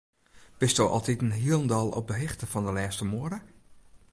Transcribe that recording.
Bisto altiten hielendal op 'e hichte fan de lêste moade?